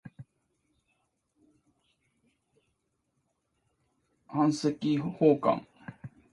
版籍奉還